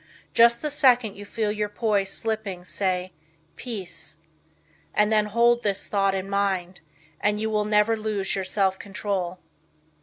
Just the second you feel your poise slipping, say, "Peace," and then hold this thought in mind and you will never lose your self control.